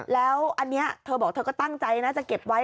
แล้วอันนี้เธอบอกเธอก็ตั้งใจนะจะเก็บไว้